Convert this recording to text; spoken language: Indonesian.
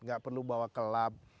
gak perlu bawa ke lab